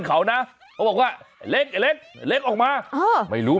พ่อพี่พ่อพี่พ่อพี่พ่อ